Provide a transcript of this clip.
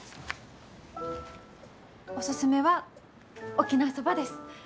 おすすめは沖縄そばです。